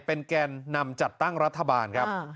เป็นแกนนำจัดตั้งรัฐบาลครับ